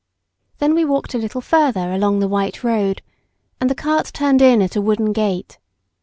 Then we walked a little further along the white road, and the cart turned in at a wooden gate.